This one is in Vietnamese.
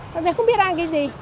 tại vì không biết ăn cái gì